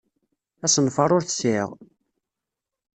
Asenfaṛ ur t-sɛiɣ.